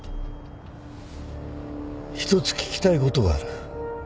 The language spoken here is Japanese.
一つ聞きたいことがある。